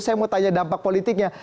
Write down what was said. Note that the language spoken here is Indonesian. saya mau tanya dampak politiknya